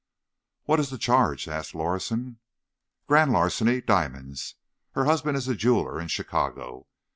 "What is the charge?" asked Lorison. "Grand larceny. Diamonds. Her husband is a jeweller in Chicago.